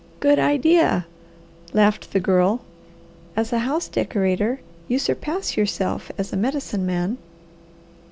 "Good idea!" laughed the Girl. "As a house decorator you surpass yourself as a Medicine Man."